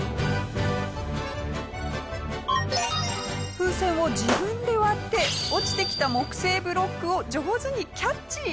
風船を自分で割って落ちてきた木製ブロックを上手にキャッチ！